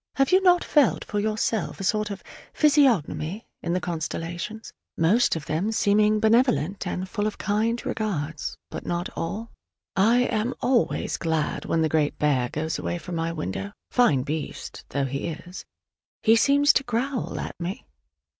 Have you not felt for yourself a sort of physiognomy in the constellations, most of them seeming benevolent and full of kind regards: but not all? I am always glad when the Great Bear goes away from my window, fine beast though he is: he seems to growl at me!